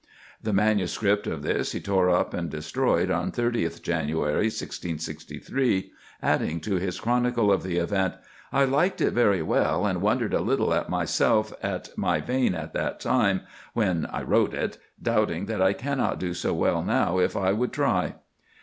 The manuscript of this he tore up and destroyed on 30th January, 1663, adding to his chronicle of the event: "I liked it very well, and wondered a little at myself, at my vein at that time, when I wrote it, doubting that I cannot do so well now if I would try."